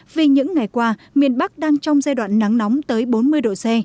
vì những ngày qua miền bắc đang trong giai đoạn nắng nóng tới bốn mươi độ c